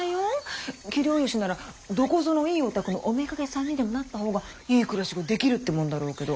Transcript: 器量よしならどこぞのいいお宅のお妾さんにでもなった方がいい暮らしができるってもんだろうけど。